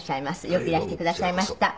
よくいらしてくださいました。